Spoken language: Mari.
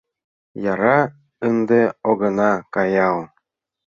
Яра ынде огына каял.